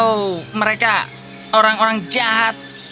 oh mereka orang orang jahat